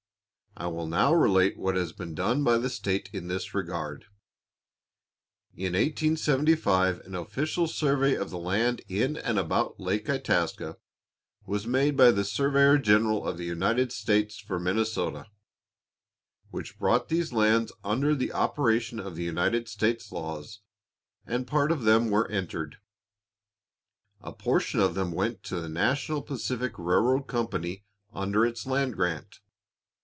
I will now relate what has been done by the state in this regard. In 1875 an official survey of the land in and about Lake Itasca was made by the surveyor general of the United States for Minnesota, which brought these lands under the operation of the United States laws, and part of them were entered. A portion of them went to the Northern Pacific Railroad Company under its land grant.